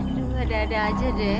aduh gak ada ada aja deh